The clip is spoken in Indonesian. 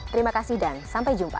terima kasih dan sampai jumpa